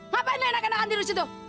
ngapain lo enak enakan tidur situ